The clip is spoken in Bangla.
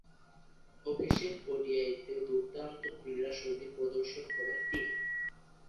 অভিষেক ওডিআইয়ে দূর্দান্ত ক্রীড়াশৈলী প্রদর্শন করেন তিনি।